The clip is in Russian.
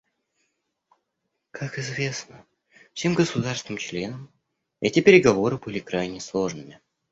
Как известно всем государствам-членам, эти переговоры были крайне сложными.